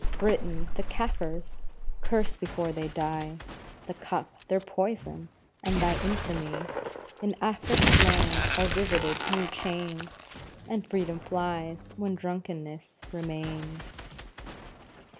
Britain! "the Kafirs" curse before they die, The cup their poison, and thy infamy In Afric's land are riveted new chains, And freedom flies when drunkenness remains.